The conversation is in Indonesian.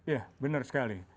ya benar sekali